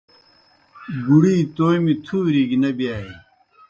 بُڑی تومیْ تُھوریْ گیْ نہ بِیانیْ